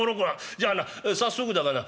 じゃあな早速だがな